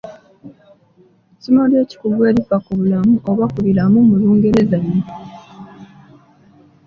Essomo ery’ekikugu erifa ku bulamu oba ku biramu mu Lungereza ye?